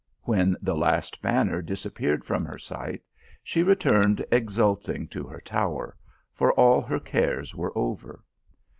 When the last banner disappeared from her sight, she re turned exulting to her tower, for all her cares were over.